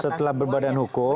setelah berbadan hukum